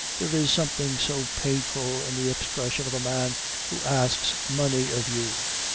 There is something so painful in the expression of a man who asks money of you!